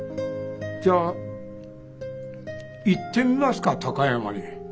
じゃ行ってみますか高山に。